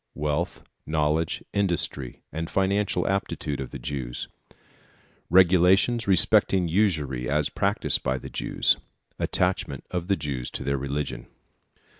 Wealth, Knowledge, Industry, and Financial Aptitude of the Jews. Regulations respecting Usury as practised by the Jews. Attachment of the Jews to their Religion.